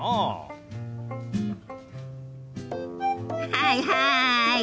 はいはい！